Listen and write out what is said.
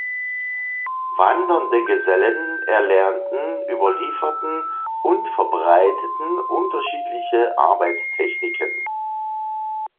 Wandernde Gesellen erlernten, überlieferten und verbreiteten unterschiedliche Arbeitstechniken.